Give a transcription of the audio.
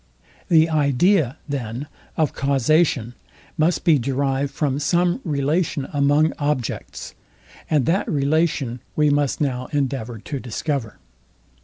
The idea, then, of causation must be derived from some relation among objects; and that relation we must now endeavour to discover.